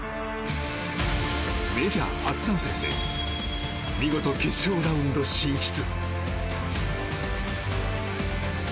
メジャー初参戦で見事、決勝ラウンド進出。